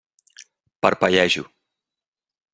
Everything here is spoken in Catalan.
Parpellejo.